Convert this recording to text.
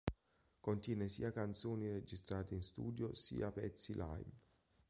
Contiene sia canzoni registrate in studio, sia pezzi live.